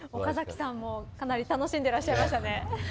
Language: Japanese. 岡崎さんもかなり楽しんでらっしゃいましたね。